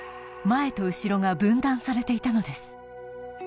前と後ろが分断されていたのです